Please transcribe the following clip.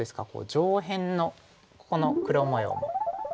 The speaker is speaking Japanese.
上辺のここの黒模様もかなり。